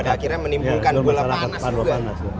pada akhirnya menimbungkan gula panas